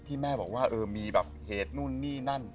ที่แม่บอกว่ามีเหตุนู่นนี่นั่น